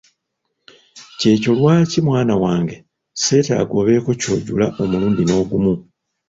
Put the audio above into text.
ky’ekyo lwaki mwana wange seetaaga obeeko ky'ojula omulundi n’ogumu.